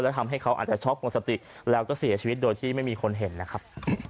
แล้วทำให้เขาอาจจะช็อกหมดสติแล้วก็เสียชีวิตโดยที่ไม่มีคนเห็นนะครับ